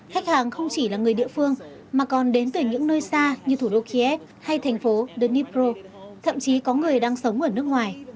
khách hàng không chỉ là người địa phương mà còn đến từ những nơi xa như thủ đô kiev hay thành phố dnipro thậm chí có người đang sống ở nước ngoài